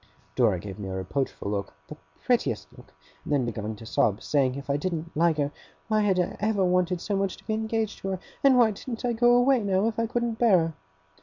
Dora gave me a reproachful look the prettiest look! and then began to sob, saying, if I didn't like her, why had I ever wanted so much to be engaged to her? And why didn't I go away, now, if I couldn't bear her?